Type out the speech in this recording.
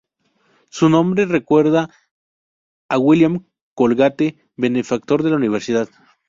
Su nombre recuerda a William Colgate, benefactor de la universidad.